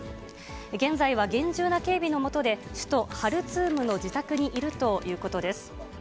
現在は厳重な警備の下で、首都ハルツームの自宅にいるということです。